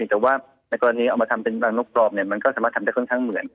แต่ว่าในเกิดว่ายังงี้เขาเอาไปทำปันปลางได้ค่อนข้างเหมือนค่ะ